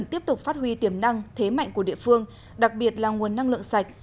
tiếp tục phát huy tiềm năng thế mạnh của địa phương đặc biệt là nguồn năng lượng sạch